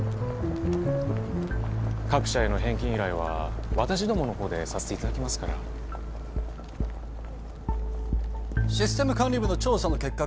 各社への返金依頼は私どものほうでさせていただきますからシステム管理部の調査の結果